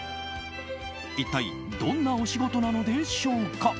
一体どんなお仕事なのでしょうか。